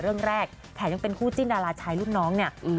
เรื่องแรกแถมยังเป็นคู่จิ้นดาราชายรุ่นน้องเนี่ย